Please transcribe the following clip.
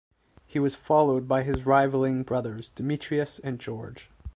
He was followed by his rivaling brothers Demetrius and George.